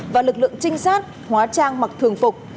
và lực lượng trinh sát hóa trang mặc thường phục